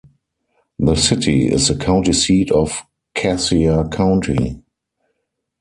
The city is the county seat of Cassia County.